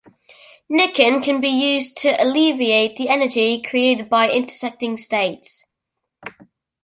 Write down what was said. Nicking can be used to alleviate the energy created by intersecting states.